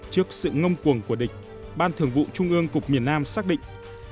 trước sự ngông cuồng của địch ban thường vụ trung ương cục miền nam xác định